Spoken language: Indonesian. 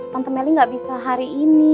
tante meli gak bisa hari ini